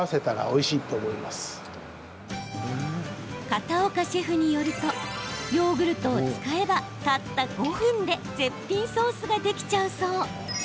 片岡シェフによるとヨーグルトを使えばたった５分で絶品ソースができちゃうそう。